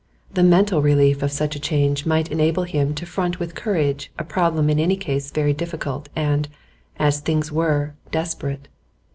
The mental relief of such a change might enable him to front with courage a problem in any case very difficult, and, as things were, desperate.